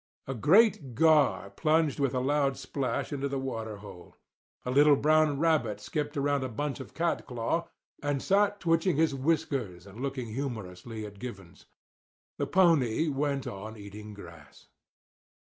A great gar plunged with a loud splash into the water hole. A little brown rabbit skipped around a bunch of catclaw and sat twitching his whiskers and looking humorously at Givens. The pony went on eating grass.